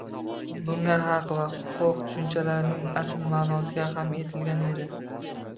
Bunda «haq» va «huquq» tushunchalarining asl ma’nosiga hamla etilgani